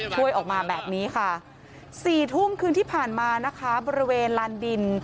ช่วยออกมาแบบนี้ค่ะ๔ทุ่มคืนที่ผ่านมานะคะบริเวณลานดิน